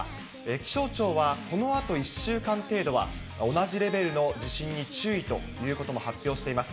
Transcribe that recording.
気象庁は、このあと１週間程度は同じレベルの地震に注意ということも発表しています。